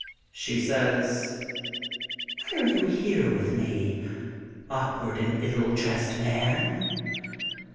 She says: — Why are you here with me, awkward and ill dressed man!